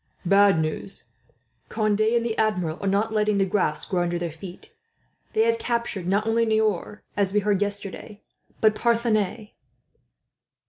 "Bad news. Conde and the Admiral are not letting the grass grow under their feet. They have captured not only Niort, as we heard yesterday, but Parthenay."